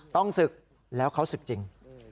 ต้องศึกแล้วเขาศึกจริง